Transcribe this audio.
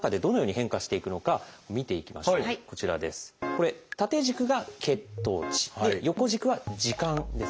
これ縦軸が血糖値横軸は時間ですね。